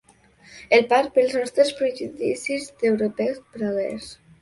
En part pels nostres prejudicis d'europeus progres.